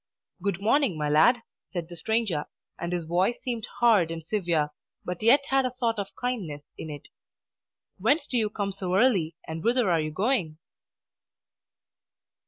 "Good morning, my lad," said the stranger; and his voice seemed hard and severe, but yet had a sort of kindness in it. "Whence do you come so early, and whither are you going?"